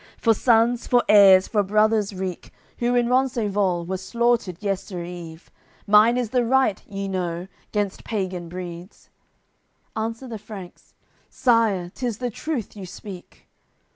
For sons, for heirs, for brothers wreak Who in Rencesvals were slaughtered yester eve! Mine is the right, ye know, gainst pagan breeds." Answer the Franks: "Sire, 'tis the truth you speak."